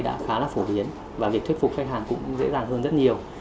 đã khá là phổ biến và việc thuyết phục khách hàng cũng dễ dàng hơn rất nhiều